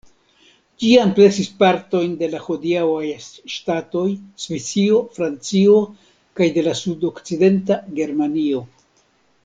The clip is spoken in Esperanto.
Ĝi ampleksis partojn de la hodiaŭaj ŝtatoj Svisio, Francio kaj de la sudokcidenta Germanio.